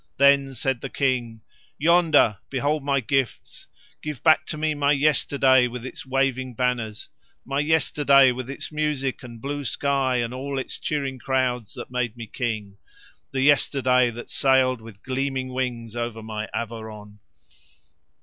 Then said the King: "Yonder behold my gifts. Give back to me my yesterday with its waving banners, my yesterday with its music and blue sky and all its cheering crowds that made me King, the yesterday that sailed with gleaming wings over my Averon."